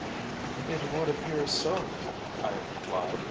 "It would appear so," I replied.